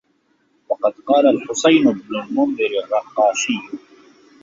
وَقَدْ قَالَ الْحُصَيْنُ بْنُ الْمُنْذِرِ الرَّقَاشِيُّ